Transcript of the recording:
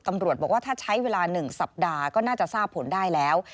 ตำรวจบอกว่าถ้าใช้เวลา๑สัปดาห์ก็น่าจะทราบผลได้แล้ว